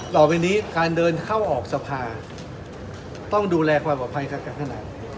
ต่อไปนี้การเดินเข้าออกสภาต้องดูแลความปลอดภัยทางการขนาด